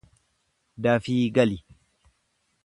Dafii gali.